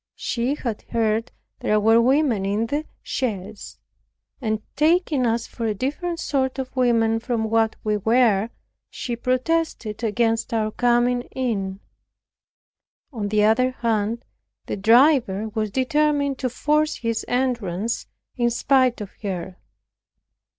She had heard there were women in the chaise, and taking us for a different sort of women from what we were, she protested against our coming in. On the other hand, the driver was determined to force his entrance in spite of her.